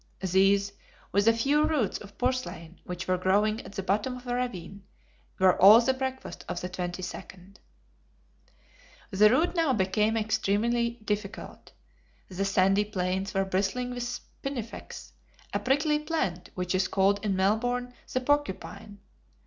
These, with a few roots of purslain which were growing at the bottom of a ravine, were all the breakfast of the 22d. The route now became extremely difficult. The sandy plains were bristling with SPINIFEX, a prickly plant, which is called in Melbourne the porcupine.